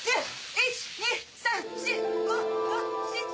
１２３４５６７８。